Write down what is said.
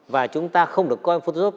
và chúng ta không được coi photoshop